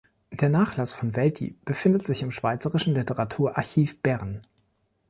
Der Nachlass von Welti befindet sich im Schweizerischen Literaturarchiv, Bern.